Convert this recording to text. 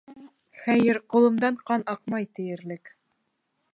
Хәйер, ҡулымдан ҡан аҡмай тиерлек.